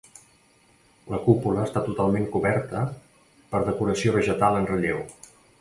La cúpula està totalment coberta per decoració vegetal en relleu.